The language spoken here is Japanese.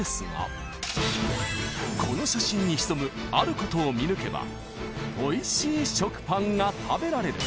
［この写真に潜むあることを見抜けばおいしい食パンが食べられる］